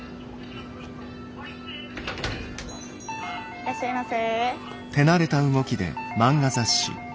いらっしゃいませ。